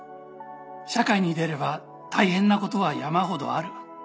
「社会に出れば大変なことは山ほどある」